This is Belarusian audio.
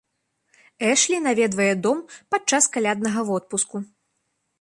Эшлі наведвае дом падчас каляднага водпуску.